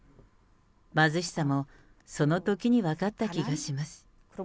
貧しさもそのときに分かった気がします。